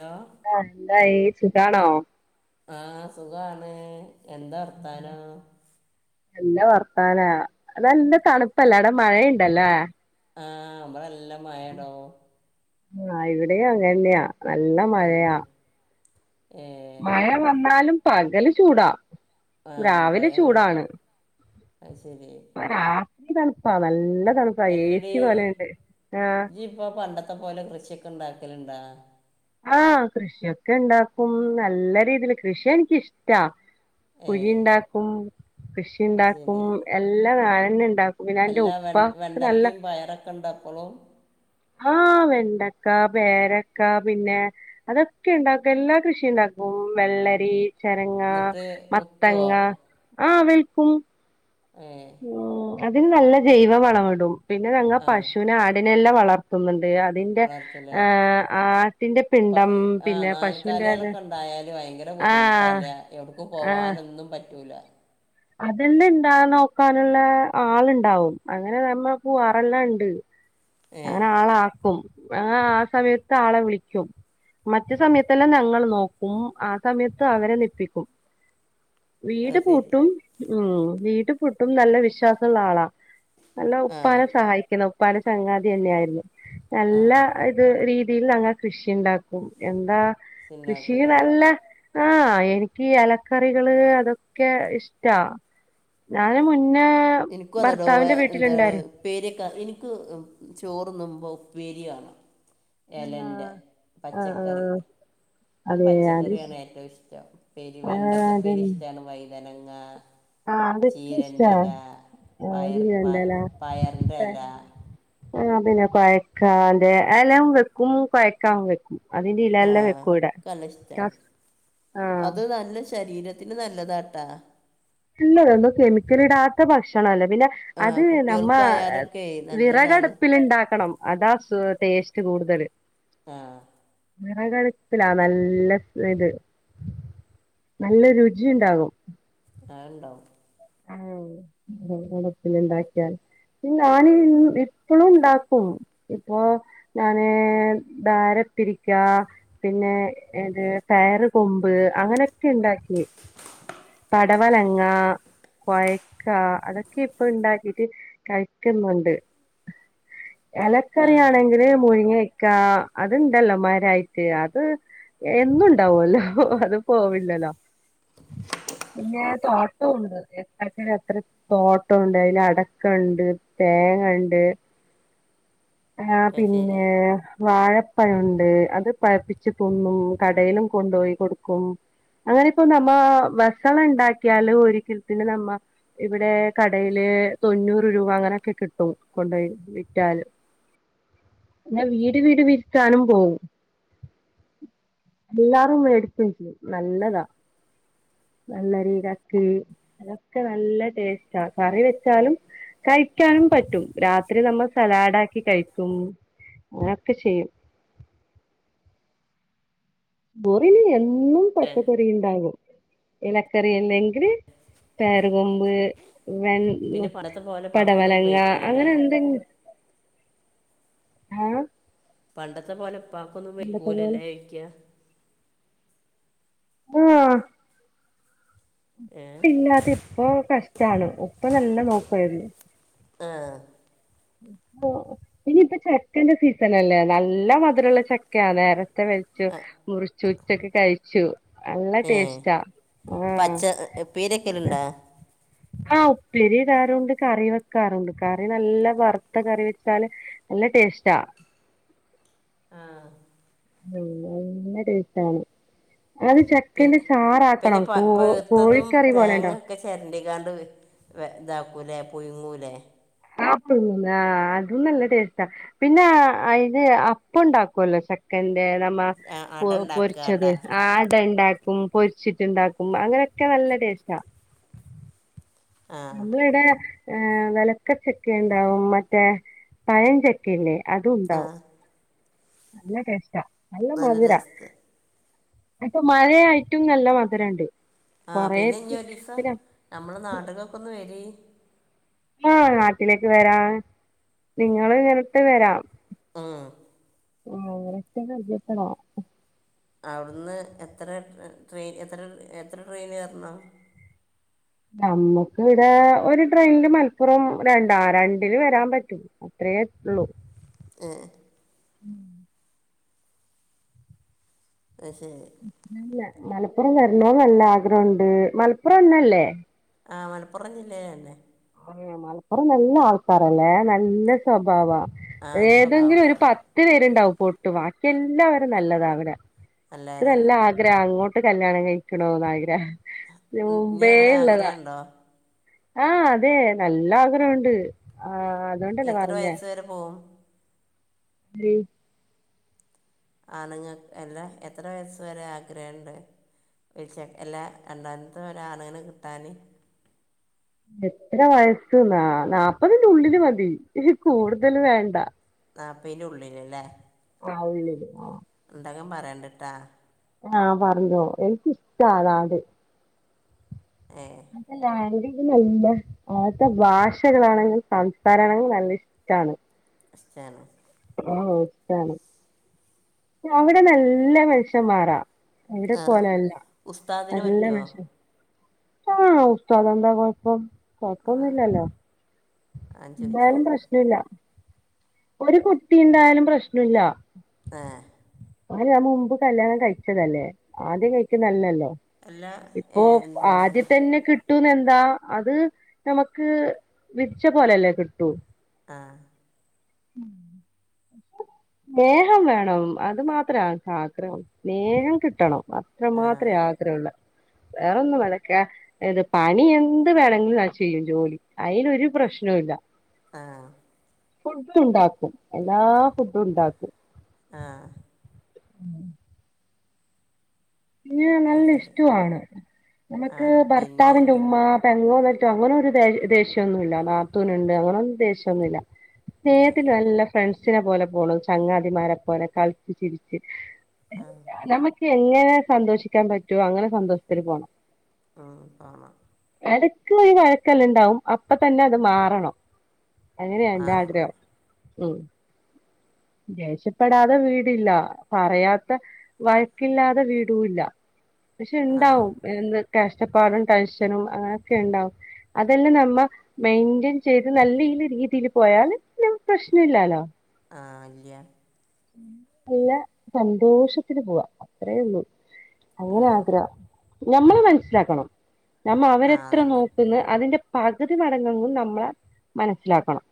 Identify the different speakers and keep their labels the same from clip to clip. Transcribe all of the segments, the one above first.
Speaker 1: Hello
Speaker 2: ആ എന്തായി സുഖാണോ?
Speaker 1: ആ സുഖാണ്. എന്താ വർത്താനം?
Speaker 2: നല്ല വർത്താനാ. നല്ല തണുപ്പല്ലേ അവിടെ മഴയുണ്ടല്ലേ?
Speaker 1: ആ നമ്മളല്ല നല്ല മഴയെടോ.
Speaker 2: ആ ഇവിടെയും അതുതന്നെയാ നല്ല
Speaker 1: ഉം
Speaker 2: മഴയാ.
Speaker 1: ഏഹ്
Speaker 2: മഴ വന്നാലും പകല് ചൂടാ.
Speaker 1: ആഹ്
Speaker 2: രാവിലെ
Speaker 1: പകൽ
Speaker 2: ചൂടാണ്.
Speaker 1: അത് ശരി
Speaker 2: രാത്രി തണുപ്പാ നല്ല തണുപ്പാ ഏ
Speaker 1: എല്ലടി
Speaker 2: സി പോലെയുണ്ട് ആഹ്
Speaker 1: ജി ഇപ്പൊ പണ്ടത്തെ പോലെ കൃഷിയൊക്കെ ഉണ്ടാ ക്കല ണ്ടാ
Speaker 2: ആ കൃഷിയൊക്കെ ഇണ്ടാക്കും നല്ല രീതിൽ കൃഷി എനിക്കിഷ്ടാ കുഴി
Speaker 1: ഏഹ്
Speaker 2: ഉണ്ടാക്കും കൃഷി
Speaker 1: അത്
Speaker 2: ഉണ്ടാക്കും
Speaker 1: ശരി
Speaker 2: എല്ലാ കാല വന്നണ്ട
Speaker 1: എല്ലാ വെ വെണ്ടക്കും പയറൊക്കെ ഉണ്ടപ്പോളും
Speaker 2: ആ വെണ്ടക്ക പേരക്ക പിന്നെ അതൊക്കെ ഉണ്ടാക്കും എല്ലാ കൃഷി ഉണ്ടാക്കും വെള്ളരി ചരങ്ങ
Speaker 1: എന്നിട്ട് വിക്കുവോ
Speaker 2: മത്തങ്ങ ആ വെൽ ക്കും
Speaker 1: ഏ
Speaker 2: അതിൽ നല്ല ജൈവ അള മിടും പിന്നെ ഞങ്ങ പശുവിനെ ആടിനെല്ലാം വളർത്തുന്നുണ്ട് അതിന്റെ
Speaker 1: വളർത്തൂല്ലേ
Speaker 2: ആ ആട്ടിന്റെ പിണ്ടം
Speaker 1: ആ
Speaker 2: പിന്നെ പശുവിന്റെ അത്
Speaker 1: നാൽക്കാലികളൊക്കെ ഉണ്ടായാല് ഭയങ്കര
Speaker 2: ആ
Speaker 1: ബുദ്ധിമുട്ടല്ലേ എവിടക്ക് പോവാനൊന്നും പറ്റൂല
Speaker 2: അതെന്റെ ഇണ്ടാ നോക്കാനുള്ള ആളുണ്ടാവും അങ്ങനെ നമ്മൾ പോവാറെല്ലാം ഇണ്ട്
Speaker 1: ഏ
Speaker 2: അങ്ങനെ ആളാക്കും ആ ആ സമയത്ത് ആളെ വിളിക്കും മറ്റു സമയത്തെല്ലാം ഞങ്ങൾ നോക്കും ആ സമയത്ത് അവരെ നിപ്പിക്കും
Speaker 1: അത്
Speaker 2: വീട്
Speaker 1: ശരി
Speaker 2: പൂട്ടും ഉ വീട് പൂട്ടും നല്ല വിശ്വാസള്ള ആളാ നല്ല
Speaker 1: ആ
Speaker 2: ഉപ്പാന സഹായിക്കണം ഉപ്പാടെ ചങ്ങാതി തന്നെയായിരുന്നു
Speaker 1: ആ
Speaker 2: നല്ലാ ഇത് രീ രീതിയിൽ അങ്ങ കൃഷി ഉണ്ടാക്കും എന്താ കൃഷി
Speaker 1: ഉണ്ടാക്കൂല്ലേ
Speaker 2: നല്ല ആഹ് എനിക്ക് എലക്കറികള് അതൊക്കെ ഇഷ്ടാ ഞാന് മുന്ന്
Speaker 1: എനിക്കും അതടോ എന്താണ് ഉപ്പേരിക്കെ എനിക്ക് ചോർ മുമ്പ് ഉപ്പേരി വേണം
Speaker 2: ആ
Speaker 1: ഇലൻ്റെ
Speaker 2: ആ
Speaker 1: പച്ചക്കറി
Speaker 2: ആ
Speaker 1: എനിക്ക്
Speaker 2: അതെ അത്
Speaker 1: പച്ചക്കറിയാണ്
Speaker 2: ഇഷ്-
Speaker 1: ഏറ്റവും ഇഷ്ടം ഉപ്പേരി
Speaker 2: ആ
Speaker 1: വെണ്ടക്കെ
Speaker 2: അതെ
Speaker 1: ഉപ്പേരി ഇഷ്ടാണ് വയ തനങ്ങ
Speaker 2: ആ അതൊക്കെ ഇഷ്ടാ
Speaker 1: ചീരേന്റെല
Speaker 2: ആ
Speaker 1: പയർ
Speaker 2: ഇയ്യ്
Speaker 1: പ
Speaker 2: കണ്ടല്ലോ
Speaker 1: പയർന്റെ ല
Speaker 2: ആ പിന്നെ കൊഴക്കാതെ എല്ലാം വെക്കും കൊയക്കാം വെക്കും അതിന്റെ
Speaker 1: ആ
Speaker 2: ഇലല്ലം വെക്കുവിടെ
Speaker 1: എനിക്ക് നല്ല ഇഷ്ടമാണ്
Speaker 2: [unintelligible] ആ
Speaker 1: അത് നല്ല ശരീരത്തിന് നല്ലതാട്ടാ
Speaker 2: ഇല്ലല്ല കെമിക്കൽ ഇടാത്ത ഭക്ഷണ അല്ല പിന്നെ
Speaker 1: ആ
Speaker 2: അത് നമ്മ
Speaker 1: കുട്ടികൾക്കായാലൊക്കെ നല്ലതാണ്
Speaker 2: വിറകടുപ്പിൽ ഇണ്ടാക്കണം അതാ ടേസ്റ്റ് കൂടുതല്
Speaker 1: ആഹ
Speaker 2: വിറകടുപ്പിലാ നല്ല ഇത് നല്ല രുചിയിണ്ടാകും
Speaker 1: ആഹ ഉണ്ടോ
Speaker 2: ആ വെർകടുപ്പിൽ ഇണ്ടാക്കിയാൽ ഞാന് ഇപ്പളും ഉണ്ടാക്കും ഇപ്പൊ ഞാന് [unintelligible] പിന്നെ ഏത് [unintelligible] കൊമ്പ് അങ്ങനൊക്കെ ഇണ്ടാക്കി പടവലങ്ങ കൊയ്ക്ക അതൊക്കെ ഇപ്പൊ ഇണ്ടാക്കിട്ട് കഴിക്കുന്നുണ്ട്
Speaker 1: ആ
Speaker 2: എലക്കറിയണെങ്കിൽ മുരിങ്ങ [inaudible] ക്കാ അത്ണ്ടല്ലോ മരായിട്ട് അത് എന്നുണ്ടാവല്ലോ അത് പോവില്ലല്ലോ പിന്നെ [unintelligible] അട [unintelligible] അത്ര തോട്ടണ്ട് അയിൽ അടക്കണ്ട് തേങ്ങണ്ട് ആ
Speaker 1: അത് ശരി
Speaker 2: പിന്നേ വാഴ പഴണ്ട് അത് പയപ്പിച്ച് തുന്നും കടയിലും കൊണ്ടോയി കൊടുക്കും അങ്ങനെ ഇപ്പോ നമ്മാ [unintelligible] ണ്ടാക്കിയാല് ഒരിക്കിൽ പിന്നെ നമ്മ ഇവിടേ കടയില് തൊണ്ണൂറ് രൂപ അങ്ങനൊക്കെ കിട്ടും കൊണ്ടോയി വിറ്റാല് [unintelligible] വീട് വീട് വിര്ക്കാനും പോവും എല്ലാരും [unintelligible] നല്ലതാ നല്ല [inaudible] അതൊക്കെ നല്ല ടേസ്റ്റ് ആ കറി വെച്ചാലും കഴിക്കാനും പറ്റും രാത്രി നമ്മൾ സലാഡ ആക്കി കഴിക്കും അങ്ങനൊക്കെ ചെയ്യും ബോറിനി എ [inaudible] [inaudible] ന്നും
Speaker 1: ഏ
Speaker 2: പച്ചക്കറി ഇണ്ടാവും ഇലക്കറി അല്ലെങ്കില് പേര കൊമ്പ് വെ
Speaker 1: പിന്നെ
Speaker 2: [unintelligible]
Speaker 1: പണ്ടത്തെ പോലെ ഉപ്പാക്കൊന്നും
Speaker 2: പടവലങ്ങ
Speaker 1: വയ്ക്കൂലല്ലേ
Speaker 2: അങ്ങനെ എന്തെങ്കി ആഹ്
Speaker 1: പണ്ടത്തെ പോലെ പ്പാക്കൊന്നും
Speaker 2: പണ്ടത്തെ പോലെ
Speaker 1: വെയ്ക്കൂലല്ലേയ്ക്ക
Speaker 2: ആഹ
Speaker 1: ഏ
Speaker 2: ഇല്ല അതി ഇപ്പോ കഷ് [inaudible] ണ് ഉപ്പ നല്ല നോക്കായിരുന്നു
Speaker 1: ആഹ
Speaker 2: [inaudible] ഇനിയിപ്പ ചക്കന്റെ സീസണല്ലേ നല്ല മധുരള്ള ചക്കയാ നേര [inaudible] വൽച്ചു മുറിച്ചു ഉച്ചക്കെ കഴിച്ച [unintelligible] നല്ല
Speaker 1: ഏ
Speaker 2: ടേസ്റ്റാ ആഹ
Speaker 1: പച്ച പീരക്കലുണ്ടാ
Speaker 2: ആഹ ഉപ്പി [unintelligible] റുണ്ട് കറി വെക്കാറുണ്ട് കറി നല്ല വറുത്ത കറി വെച്ചാല് നല്ല ടേസ്റ്റ ആ
Speaker 1: ആഹ
Speaker 2: ആ നല്ല ട്ടേസ്റ്റാണ് അത്
Speaker 1: പിന്നെ
Speaker 2: ചെക്കന്റെ ചാറ
Speaker 1: പിന്നെ
Speaker 2: ആക്കണം
Speaker 1: പ
Speaker 2: കോ കോഴിക്കറി പോലെണ്ടോ
Speaker 1: [unintelligible] ണ്ട് ഇതാക്കൂലേ പുയ്ങ്ങൂലേ
Speaker 2: ആ അതും നല്ല ടേസ്റ്റാ പിന്നെ അയില് അപ്പണ്ടാക്കല്ലോ ചക്കന്റെ നമ്മ
Speaker 1: ആ അട ഉണ്ടാക്കുക അട
Speaker 2: പൊരിച്ചത് ആടണ്ടാക്ക പൊരിച്ചിട്ടുണ്ടാക്കും അങ്ങനൊക്കെ നല്ലടേസ്റ്റാ
Speaker 1: ആ
Speaker 2: നമ്മള ഇട ഹ വളക്കച്ചക്ക ഉണ്ടാവും മറ്റേ പഴഞ്ചക്കല്ലേ
Speaker 1: ആ
Speaker 2: അതുണ്ടാവും നല്ല ടേസ്റ്റാ
Speaker 1: വളരസ്ഥ
Speaker 2: അപ്പൊ മഴയായിട്ടും നല്ല മധുരണ്ട്
Speaker 1: ആഹ
Speaker 2: കൊറേ
Speaker 1: പിന്നെ ഇനി ഒരീസം
Speaker 2: പിന്നെ
Speaker 1: നമ്മളെ നാട്ട്കൊക്കൊന്ന് വെരീം
Speaker 2: ആഹ് നാട്ടിലേക്ക് വെരാ നിങ്ങള് ഇനത്തെ വരാം
Speaker 1: ആഹ
Speaker 2: ആ അങ്ങൊക്ക കഴചത്തണോ
Speaker 1: അവിടുന്ന് എത്ര ട്രെയിൻ എത്ര എത്ര ട്രെയിൻ കേറണം
Speaker 2: നമ്മുക്ക് ഇവിടെ ഒരു ട്രെയിനില് മലപ്പുറം രണ്ട രണ്ടില് വരാൻ പറ്റും അത്രയേള്ളു
Speaker 1: ഏ
Speaker 2: ഉം
Speaker 1: അത് ശരി
Speaker 2: പില്ല മലപ്പുറം വരണം നല്ല ആഗ്രഹണ്ട് മലപ്പുറം തന്നല്ലേ
Speaker 1: ആ മലപ്പുറം ജില്ലയിലന്നെ
Speaker 2: ആ മലപ്പുറം നല്ല ആൾക്കാരല്ലേ നല്ല സ്വഭാവാ
Speaker 1: ആ എൻ്റെ
Speaker 2: ഏതെങ്കിലും
Speaker 1: സ്വഭാവം
Speaker 2: ഒരു പത്ത് പേരുണ്ടാവും പൊട്ടു എല്ലാവരും നല്ലതാവിടെ ഇക്ക്
Speaker 1: നല്ലവരാണ്
Speaker 2: നല്ലാഗ്രഹ അങ്ങോട്ട് കല്യാണം കഴിക്കണോന്ന് ആഗ്രഹം
Speaker 1: ഇനി അങ്ങനെ ആഗ്രഹണ്ടോ
Speaker 2: ആഹ അതെ നല്ല ആഗ്രഹുണ്ട്
Speaker 1: എത്ര വയസ്സ വരെ പോവും
Speaker 2: ഉ
Speaker 1: ആണുങ്ങക്ക് എല്ലാ എത്ര വയ വരെ ആഗ്രഹണ്ട് വിളിച്ച എല്ലാ രണ്ടാമത്തെ ഒരാണിനെ കിട്ടാന്
Speaker 2: എത്ര വയസ്സന്നാ നാല്പ്പതിനുള്ളില് മതി വ കൂടുതല്‌ വേണ്ട
Speaker 1: നാൽപ്പതിന് ഉള്ളില് ലെ
Speaker 2: ആ ഉള്ളില് ആ
Speaker 1: ഇണ്ടെങ്കിൽപറയണ്ടിട്ടാ
Speaker 2: ആഹ പറഞ്ഞോ എനിക്കിഷ്ടാതാണ്ട്
Speaker 1: ഏ
Speaker 2: അതെല്ലാ അി പിന്നല്ല അവ്ട്ത്തെ ഭാഷകളാണെങ്കിൽ സംസാരാ ണെങ്കിൽ നല്ല ഇഷ്ടാണ്
Speaker 1: റെസ്റ്റാന്
Speaker 2: ആ ഇഷ്ടാണ് അവിടെ നല്ല വേഷം മാറാം അവിടെ
Speaker 1: ആ
Speaker 2: പോലല്ല
Speaker 1: ഉസ്താദിന്
Speaker 2: അല്ല
Speaker 1: പറ്റുമോ
Speaker 2: [unintelligible] ആഹ് ഉസ്താതെന്താ കൊഴപ്പം
Speaker 1: ആ
Speaker 2: കൊയപ്പൊന്നുല്ലല്ലോ
Speaker 1: ഞാൻ
Speaker 2: എന്തായാലും
Speaker 1: ചോദിച്ചാൽ
Speaker 2: പ്രശ്നല്ല ഒരു കുട്ടിണ്ടായാലും പ്രശ്നല്ല
Speaker 1: ഏ
Speaker 2: ഓന് ആ മുമ്പ് കല്യാണം കഴിച്ചതല്ലേ ആദ്യം കഴിക്ക നല്ലല്ലോ
Speaker 1: അല്ല ഏ,
Speaker 2: ഇപ്പോ
Speaker 1: എന്താണ്
Speaker 2: ആദ്യ തന്നെ കി ട്ടൂന്നെന്താ അത് നമുക്ക് വിധിച്ച പോലെല്ലേ കിട്ടൂ.
Speaker 1: ആ
Speaker 2: നേഹം വേണം. അത് മാത്രാ ൻകാഗ്രഹം. നേഹം കിട്ടണം. അത്ര
Speaker 1: ആ
Speaker 2: മാത്രേ ആഗ്രഹുള്ള വേറൊന്നും വേണ്ടക് ഇത് പണി എന്ത് വേണങ്കിലും യാ ചെയ്യും ജോലി. അയിനൊരു പ്രശ്നവു ഇല്ല.
Speaker 1: ആഹ്
Speaker 2: ഫുഡ്ണ്ടാക്കും. എല്ലാ ഫുഡുണ്ടാക്കും.
Speaker 1: ആഹ്
Speaker 2: പിന്നെ ന്ന്
Speaker 1: അത്
Speaker 2: പർഞാലും
Speaker 1: ശരി
Speaker 2: ഇഷ്ടമാണ്
Speaker 1: ആ
Speaker 2: നമ്മക്ക്
Speaker 1: പിന്നെ
Speaker 2: ഭർത്താവിന്റെ ഉമ്മ പേ [unintelligible] അങ്ങനൊരു ദേഷ്യന്നു ഇല്ല നാത്തൂന്ണ്ട് അങ്ങനൊന്ന് ദേഷ്യന്നുല്ല
Speaker 1: ഇല്ല
Speaker 2: സ്നേഹത്തില് നല്ല ഫ്രണ്ട്സ് ച്നെ പോലെ പോണം ചങ്ങാതിമാരെ പോലെ കൾച്ച് ചിരിച്ച്
Speaker 1: ആ
Speaker 2: ഞാ ഞമക്ക് എങ്ങനെ സന്തോഷിക്കാൻ പറ്റുവോ അങ്ങനെ സന്തോഷ്ത്തില് പോണം.
Speaker 1: ഉം കാണാം
Speaker 2: എടക്ക് ഒരു വഴക്കല്ലെണ്ടാവു അപ്പൊ തന്നെ അത് മാറണം. അങ്ങനെയായെൻ്റെ
Speaker 1: മാറണം
Speaker 2: ആഗ്രഹം. ഉം ദേഷപ്പെടാതെ വീടില്ല. പറയാത്ത വഴക്കില്ലാതെ വീടൂല്ല. പക്ഷെ
Speaker 1: ആ
Speaker 2: ണ്ടാവും എന്ത് കഷ്ടപ്പാടും ടെൻഷനും അങ്ങനോക്കെ ഇണ്ടാവും അതെല്ലാം നമ്മ മെയിന്റൻ ചെയ്ത് നല്ലഈ രീതിയിൽ പോയാല് നമക്ക് പ്രശ്നം ഇല്ലാലോ
Speaker 1: ആ ഇല്ല്യ
Speaker 2: നല്ല സന്തോഷത്തില് പോവാ അത്രേ ഒള്ളു
Speaker 1: ആ
Speaker 2: അങ്ങനെ ആഗ്രഹം ഞമ്മള് മനസ്സിലാക്കണം നമ്മ അവര്
Speaker 1: ആ
Speaker 2: എത്ര
Speaker 1: അതന്നെ
Speaker 2: നോക്കുന്നു അതിന്റെ- പകുതി മടങ്ങും നമ്മളെ മനസ്സിലാക്കണം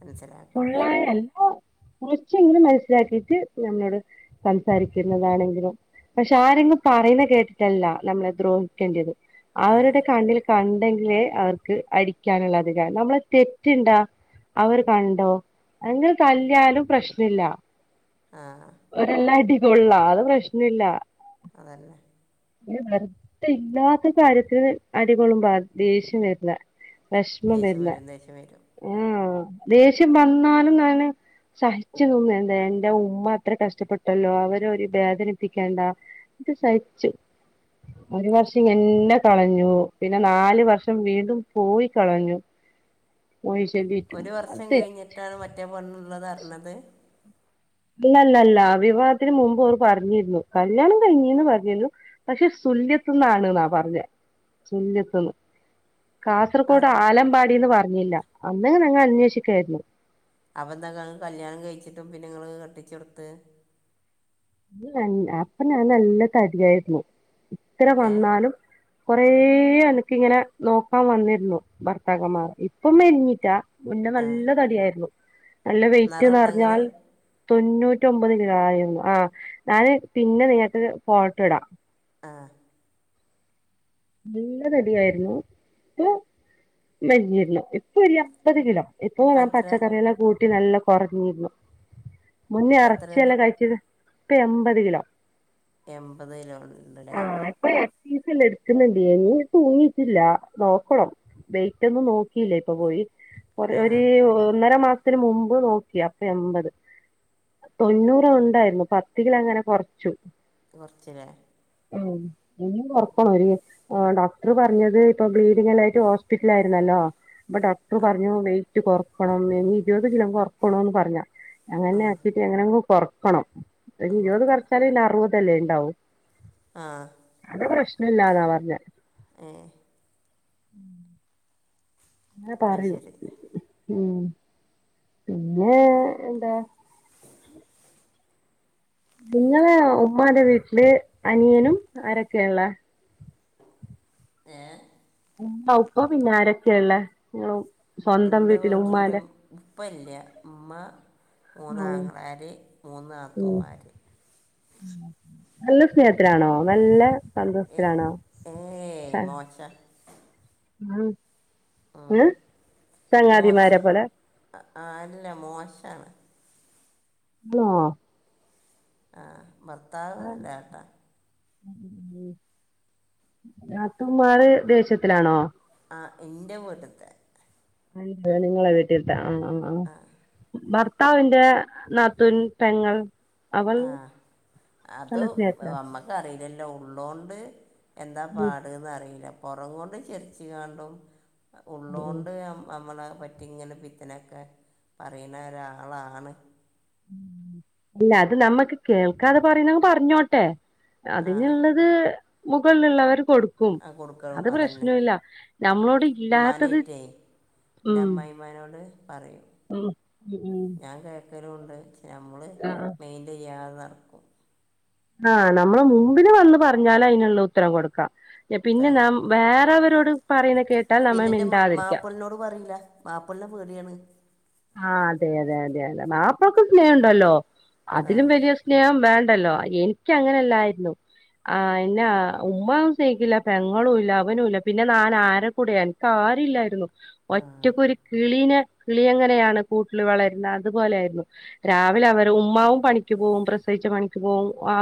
Speaker 1: മനസ്സിലാക്കണം
Speaker 2: പുള്ളാരാല്ല [unintelligible] മ [unintelligible] പക്ഷെ എങ്ങനും മനസ്സിലാക്കിയിട്ട് നമ്മളോട് സംസാരിക്കുന്നതാണെങ്കിലും പക്ഷെ ആരെങ്കും പറയുന്നത് കേട്ടിട്ടല്ല നമ്മളെ ദ്രോഹിക്കേണ്ടത്
Speaker 1: ആ
Speaker 2: അവരുടെ കണ്ടിൽ കണ്ട ഉെങ്കിലേ [unintelligible] അവർക്ക് അടിക്കാനുള്ള അധികാരം നമ്മളെ തെറ്റുണ്ടാ അവർ കണ്ടോ എങ്കി തല്ലിയാലും പ്രശ്ന- ഇല്ല
Speaker 1: ആ
Speaker 2: ഒല്ലടി [unintelligible] കൊള്ളാം അത് പ്രശ്നയില്ല
Speaker 1: അതല്ലേ
Speaker 2: വെറുതെ ഇല്ലാത്ത കാര്യത്തിന് അടികൊള്ളുമ്പാ ദേഷ്യം വരില്ല വെഷമം
Speaker 1: ദേഷ്യം
Speaker 2: വരില്ല
Speaker 1: വരും ദേഷ്യം വരും
Speaker 2: ആ ദേഷ്യം വന്നാലും അ [unintelligible] സഹി - ച്ചന്നും വേണ്ടാ എന്റെ ഉമ്മ എത്ര കഷ്ടപ്പെട്ടല്ലോ അവര് ഒരു വേദനിപ്പിക്കേണ്ട ഇത് സഹിച്ചു ഒരു വർഷം എന്നെ കളഞ്ഞു പിന്നെ നാല് വർഷം വീണ്ടും പോയി കളഞ്ഞു പോയി ചൊല്ലിയിട്ടും
Speaker 1: ഒരു വർഷം
Speaker 2: അത്
Speaker 1: കഴിഞ്ഞിട്ടാണ് മറ്റേ പെണ്ണ് ഉള്ളത് അറിഞ്ഞത്
Speaker 2: അല്ലല്ല അല്ല വിവാഹത്തിന് മുമ്പ് അവർ പറഞ്ഞിരുന്നു കല്യാണം കഴിഞ്ഞിന്ന് പറഞ്ഞിരുന്നു പക്ഷെ സുല്യത്തന്നാണ് നാ പറഞ്ഞ സുല്യത്തന്ന്
Speaker 1: ആ
Speaker 2: കാസർഗോഡ് ആലമ്പാടിന്ന് പറഞ്ഞ- പറഞ്ഞില്ല അന്ന് ഞങ്ങൾ അന്വേഷിക്കായിരുന്നു
Speaker 1: അപ്പൊ എന്താക്ക കല്യാണം കഴിച്ചിട്ടും പിന്നെ നിങ്ങള് കെട്ടിച്ചെടുത്ത്
Speaker 2: അപ്പൊ ഞാൻ നല്ല തടിയായിരുന്നു ഇത്ര
Speaker 1: ഏ
Speaker 2: വന്നാലും കൊറേ എനക്ക് ഇങ്ങനെ നോക്കാൻ വന്നിരുന്നു ഭർത്താക്കന്മാർ ഇപ്പം മെഞ്ഞിറ്റാ മുന്നേ
Speaker 1: ആ
Speaker 2: നല്ല തടിയായിരുന്നു നല്ല
Speaker 1: നിറം ഉണ്ടോ നിങ്ങൾ
Speaker 2: വെയിറ്റ്ന്നറിഞ്ഞാൽ തൊണ്ണൂറ്റൊമ്പത് കിലായിയിരുന്നു ആ ഞാന് പിന്നെ നിങ്ങക്ക് ഫോട്ടോ ഇടാം
Speaker 1: ആ
Speaker 2: നല്ല തടിയായിരുന്നു ഇപ്പൊ മെലിഞ്ഞിരുന്നു ഇപ്പൊ ഇല്ല ഒരു [unintelligible] കിലോ ഇപ്പൊ
Speaker 1: ഇപ്പം
Speaker 2: നാൻ
Speaker 1: എത്ര
Speaker 2: പച്ചക്കറിയെല്ലാം കൂട്ടി നല്ല കൊറഞ്ഞിരുന്നു മുന്നേ
Speaker 1: ഇപ്പം എത്രയാണ്
Speaker 2: എറച്ചിയെല്ല കഴിച്ചത് ഇപ്പൊ എമ്പത് കിലോ
Speaker 1: എമ്പത് കിലോണ്ട്ല്ലേ
Speaker 2: ആഹ് [unintelligible] [unintelligible] ഇനി തൂങ്ങിട്ടില്ല നോക്കണം വെയ്റ്റൊന്ന് നോക്കിയില്ലേ ഇപ്പൊ പോയി കൊറേ
Speaker 1: ആ
Speaker 2: ഒരു ഒന്നര മാസത്തില് മുമ്പ് നോക്കി അപ്പ എമ്പത് തൊണ്ണൂറ ഉണ്ടായിരുന്നു പത്ത് കില അങ്ങനെ കൊറച്ചു
Speaker 1: കൊർച്ച്ലേ
Speaker 2: ഉം ഇനിം കൊർ [unintelligible] ആ ഡോക്ടർ പറഞ്ഞത് ഇപ്പൊ ബ്ലീഡിംഗല്ലായിട്ട് ഹോസ്പിറ്റലായിരുന്നല്ലോ അപ്പൊ ഡോക്ടർ പറഞ്ഞു വെയ് റ്റ് കൊർക്കണം ഇനി ഇരുപത് കിലോ കൊർക്കണോന്ന് പറഞാ
Speaker 1: ആ
Speaker 2: അങ്ങനെ ആക്കീട്ട് എങ്ങനെങ്ങും കൊറക്കണം ഒരു ഇരുപത് കുറച്ചാലേ അറുപ ല്ല ഇണ്ടാവും
Speaker 1: ആഹ്
Speaker 2: ല്ലാന്നാ പറഞ്ഞ
Speaker 1: മ്
Speaker 2: ന്താ
Speaker 1: അത്
Speaker 2: പറയൂ
Speaker 1: ശരി
Speaker 2: ഉം പിന്നെ എന്താ നിങ്ങള് ഉമ്മാടെ വീട്ടില് അനിയനും ആരൊക്കെയിള്ള
Speaker 1: ഏ
Speaker 2: പ്പ പിന്നെ ആരൊക്കെയള്ള ഉം
Speaker 1: എൻ്റെ വീട്ടില് ഉപ്പല്ല ഉമ്മ
Speaker 2: ആഹ്
Speaker 1: മൂന്നാങ്ങളാര് മൂന്നാത്തൂമാര്
Speaker 2: അല്ല ത്തിലാണോ നല്ല
Speaker 1: ഏ
Speaker 2: സന്തോഷത്തിലാണോ
Speaker 1: ഏയ് മോശ
Speaker 2: ഉം
Speaker 1: ഉം.
Speaker 2: അ്
Speaker 1: മോശ
Speaker 2: ചങ്ങാതിമാരെ പോലെ
Speaker 1: അ- ആ അല്ല മോശാണ്.
Speaker 2: വ്ളാ
Speaker 1: ആ ഭർത്താവ് ല്ല ട്ടാ
Speaker 2: നാത്തൂമാര് ദേഷ്യത്തിലാണോ?
Speaker 1: ആ ഇൻ്റെ വീട്ട്ത്തെ
Speaker 2: അ [unintelligible] നിങ്ങളെ വീട്ടിത്താ ആ ആ ആ ഭർ ത്താവിന്റെ നാത്തുൻ പെങ്ങൾ അവൾ
Speaker 1: ആ അത്
Speaker 2: നല്ല സ്നേഹത്തിലാ
Speaker 1: അമ്മക്കറിലല് ല്ലോ ഉള്ളോണ്ട് എന്താ
Speaker 2: ഉം
Speaker 1: പാട്ന്നറീല്ല പൊറം കൊണ്ട് ചിര്ച്ച് ങ്ങാണ്ടും
Speaker 2: ഉം
Speaker 1: ഉള്ളോണ്ട് അമ് അമ്മളെ പറ്റിങ്ങനെ പിത്തനെക്കെ പറി ണെ ഒരാളാണ്.
Speaker 2: അല്ല അത് നമ്മക്ക് കേൾക്കാതെ പറിണത് പർഞ്ഞോട്ടെ
Speaker 1: ആ
Speaker 2: അതിനുള്ളത് മുകള്ള്ള വരും കൊടുക്കും
Speaker 1: ആ കൊടുക്കണം
Speaker 2: അത്
Speaker 1: അതന്നെ
Speaker 2: പ്രശ്നവില്ല നമ്മളോട് ഇല്ലാത്തത്
Speaker 1: ഉമ്മാനായിട്ടേ എൻ്റെ
Speaker 2: ഉം
Speaker 1: അമ്മായിമാനോട്
Speaker 2: ഉം ഉം
Speaker 1: ക്കലു ഉണ്ട് ഞമ്മള്
Speaker 2: ആഹ്
Speaker 1: മെയിൻറ്റ് ചെയ്യാതെ നടക്കും
Speaker 2: ആഹ് നമ്മള് മുമ്പ് ല് വന്ന് പറഞ്ഞാലയ്ന്ള്ള ഉത്തരം കൊട്ക്കാ പിന്നെ
Speaker 1: ഉത്തരം
Speaker 2: നാം
Speaker 1: കൊടുക്കാം
Speaker 2: വേറെവരോട് പറയുന്ന കേട്ടാൽ നമ്മൾ
Speaker 1: പിന്നെ ന്റെ മ
Speaker 2: മിണ്ടാതിരിക്കാം
Speaker 1: മാപ്പൾനോട് പറയില്ല മാപ്പൾനെ പേടിയാണ്
Speaker 2: ആഹ് അതെ അതെ അതെ മാപ്പൾക്ക് സ്നേഹം ണ്ടല്ലോ
Speaker 1: ആ
Speaker 2: അതിലും വെല്യ സ്നേഹം വേണ്ട ണ്ടല്ലോ എനിക്കങ്ങനല്ലായിരുന്നു ആ എന്നെ ഉമ്മും സ്നേഹിക്കില്ല പെങ്ങളും ഇല്ല അവനുംല്ല പിന്നെ നാനാരെ കൂടെ എനിക്ക് ആരുല്ലായിര്ന്നു
Speaker 1: ആ
Speaker 2: ഒറ്റക്കൊരു കിളീനെ കിളിയങ്ങ നെയാണ് കൂട്ടില് വളര്ണെ അതുപോലാര്ന്നു രാവിലെ അവരെ ഉമ്മാവും പണിക്ക് പോവും പ്രസവിച്ച പണിക്ക് പോവും